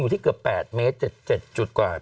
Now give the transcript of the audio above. ที่เกือบ๘เมตร๗๗จุดกว่า